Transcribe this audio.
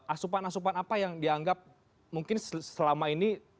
asupan asupan apa yang dianggap mungkin selama ini